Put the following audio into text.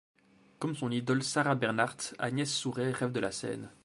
Comme son idole Sarah Bernhardt, Agnès Souret rêve de la scène.